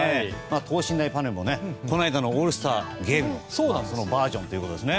等身大パネルもこの間のオールスターゲームのバージョンということですね。